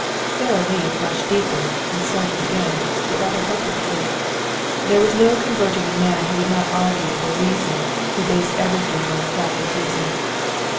Sara Lee flushed deeper and started again, but rather hopelessly. There was no converting a man who would not argue or reason, who based everything on flat refusal.